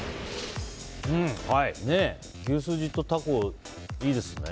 牛すじとタコ、いいですね。